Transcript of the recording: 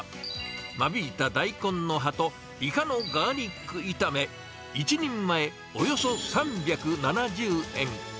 間引いた大根の葉とイカのガーリック炒め、１人前およそ３７０円。